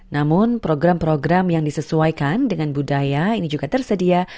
namun program program yang disesuaikan dengan budaya ini juga tersedia